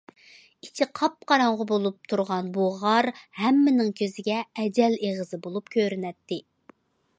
ئىچى قاپقاراڭغۇ بولۇپ تۇرغان بۇ غار ھەممىنىڭ كۆزىگە ئەجەل ئېغىزى بولۇپ كۆرۈنەتتى.